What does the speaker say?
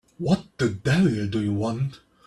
What the devil do you want?